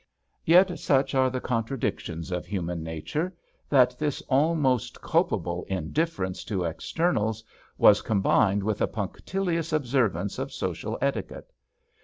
Yet such are the contradictions of human nature, that this almost culpable indifference to externals was combined with a punctilious observance of social etiquette.